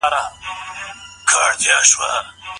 رسول اکرم څنګه دائمي ښه ګذاره کوونکی وو؟